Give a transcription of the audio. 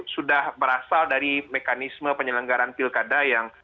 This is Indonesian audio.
sudah berasal dari mekanisme penyelenggaraan pilkada yang